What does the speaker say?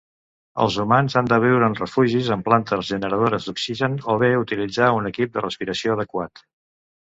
Els humans han de viure en refugis amb plantes generadores d'oxigen o bé utilitzar un equip de respiració adequat.